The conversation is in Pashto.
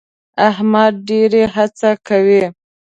احمد ډېر هڅه کوي.